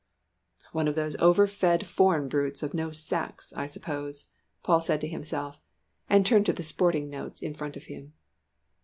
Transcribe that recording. "One of those over fed foreign brutes of no sex, I suppose," Paul said to himself, and turned to the sporting notes in front of him.